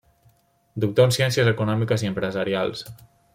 Doctor en Ciències Econòmiques i Empresarials.